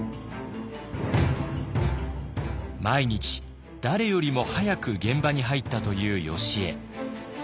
毎日誰よりも早く現場に入ったというよしえ。